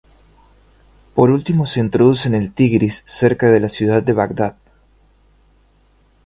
Por último, se introduce en el Tigris cerca de la ciudad de Bagdad.